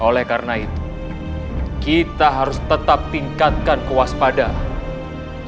oleh karena itu kita harus tetap tingkatkan kewaspadaan